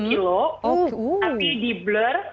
tapi di blur